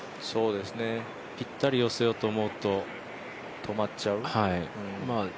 ぴったり寄せようと思うと止まっちゃう？